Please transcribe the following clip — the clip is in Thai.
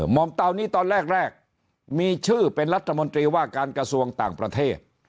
อมเตานี้ตอนแรกมีชื่อเป็นรัฐมนตรีว่าการกระทรวงต่างประเทศ